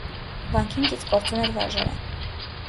Վանքին կից գործում էր վարժարան։